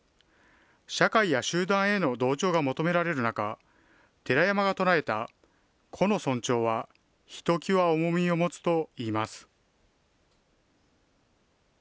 社会や集団への同調が求められる中、寺山が唱えた個の尊重は、ひときわ重みを持つといいます。